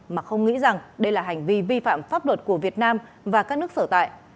mà không nghĩ rằng đây là hành vi vi phạm pháp luật của việt nam và các nước sở tại